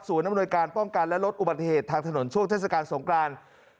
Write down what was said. อำนวยการป้องกันและลดอุบัติเหตุทางถนนช่วงเทศกาลสงคราน